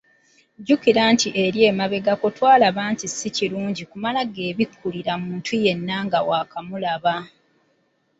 Jjukira nti era emabegako twalaba nti si kirungi kumala “geebikkulira” muntu yenna nga waakamulaba!